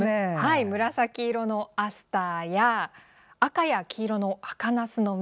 紫色のアスターや赤や黄色のアカナスの実。